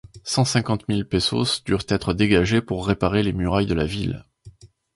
Cent cinquante mille pesos durent être dégagés pour réparer les murailles de la ville.